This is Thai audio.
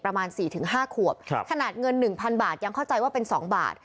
ประมาณสี่ถึงห้าขวบครับขนาดเงิน๑๐๐บาทยังเข้าใจว่าเป็น๒บาท